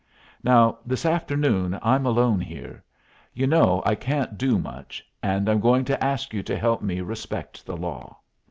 Now this afternoon I'm alone here. You know I can't do much. And I'm going to ask you to help me respect the law.